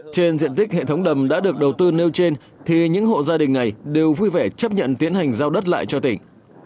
trên diện tích hệ thống đầm đã được đầu tư nêu trên thì những hộ gia đình này đều vui vẻ chấp nhận tiến hành giao đất lại cho tỉnh